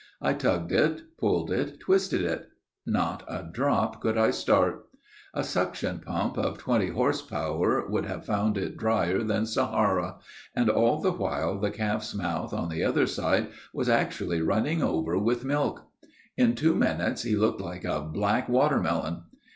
I tugged it, pulled it, twisted it. Not a drop could I start. A suction pump of twenty horse power would have found it drier than Sahara, and all the while the calf's mouth, on the other side, was actually running over with milk! In two minutes he looked like a black watermelon.